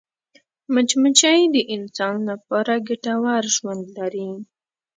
مچمچۍ د انسان لپاره ګټور ژوند لري